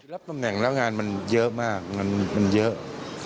รับตำแหน่งแล้วงานมันเยอะมากมันเยอะ